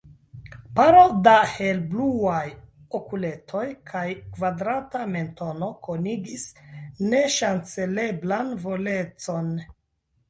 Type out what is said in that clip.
Paro da helbluaj okuletoj kaj kvadrata mentono konigis neŝanceleblan volecon.